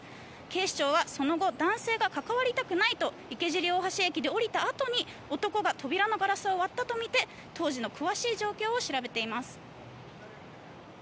警視庁はその後、男性が関わりたくないと池尻大橋駅で降りたあとに男が扉のガラスを割ったとみて当時の詳しい状況を調べています。